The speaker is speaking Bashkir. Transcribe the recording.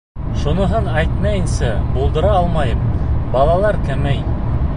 Шуныһын әйтмәйенсә булдыра алмайым: балалар кәмей...